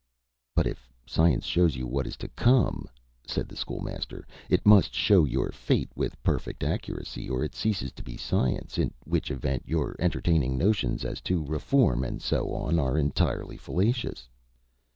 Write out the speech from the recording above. "But if science shows you what is to come," said the School Master, "it must show your fate with perfect accuracy, or it ceases to be science, in which event your entertaining notions as to reform and so on are entirely fallacious."